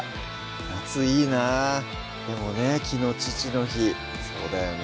夏いいなぁでもね昨日父の日そうだよね